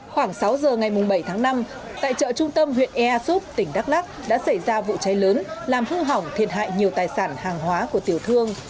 khoảng sáu giờ ngày bảy tháng năm tại chợ trung tâm huyện ea súp tỉnh đắk lắc đã xảy ra vụ cháy lớn làm hư hỏng thiệt hại nhiều tài sản hàng hóa của tiểu thương